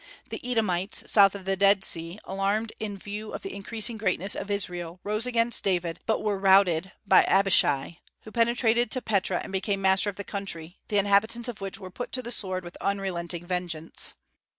The Edomites, south of the Dead Sea, alarmed in view of the increasing greatness of Israel, rose against David, but were routed by Abishai, who penetrated to Petra and became master of the country, the inhabitants of which were put to the sword with unrelenting vengeance.